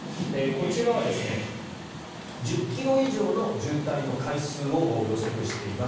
こちらは１０ｋｍ以上の渋滞の回数を予測しています。